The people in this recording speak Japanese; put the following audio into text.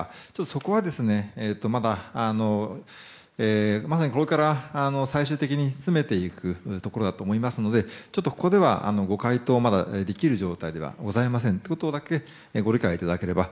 そこは、まだまさにこれから最終的に詰めていくところだと思いますのでちょっとここではご回答をまだできる状態ではございませんということだけご理解いただければ。